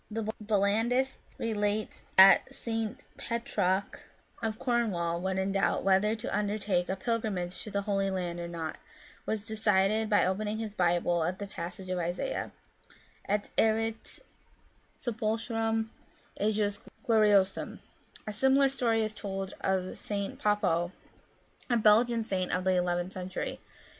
The BoUandists relate that St. Petrock of Corn 263 Curiosities of Olden Times wall, when in doubt whether to undertake a pilgrim age to the Holy Land or not, was decided by opening his Bible at the passage in Isaiah, " Et erit sepulchrum ejus gloriosumr A similar story is told of St. Poppo, a Belgian saint of the eleventh century.